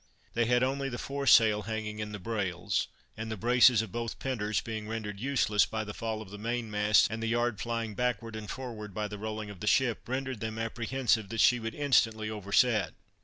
They had only the foresail hanging in the brails; and the braces of both penters being rendered useless by the fall of the main mast, and the yard flying backward and forward by the rolling of the ship, rendered them apprehensive that she would instantly overset.